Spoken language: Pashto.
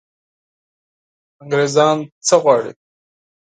انګرېزان څه غواړي.